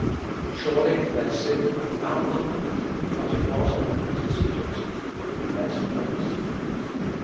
Surely their sin had found them out; but it was in the presence of Joseph. Blessed place!